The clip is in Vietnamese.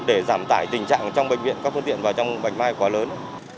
để giảm tải tình trạng trong bệnh viện